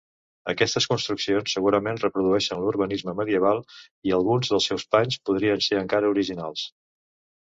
Aquestes construccions segurament reprodueixen l'urbanisme medieval i, alguns dels seus panys, podrien ser encara originals.